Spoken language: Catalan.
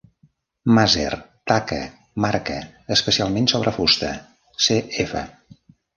"Maser", taca, marca, especialment sobre fusta, "cf.